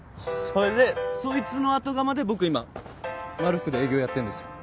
それでそいつの後釜で僕今まるふくで営業やってんですよ。